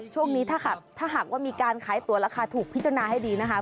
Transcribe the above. ช่วงนี้ถ้าหากว่ามีการขายตัวราคาถูกพิจารณาให้ดีนะคะ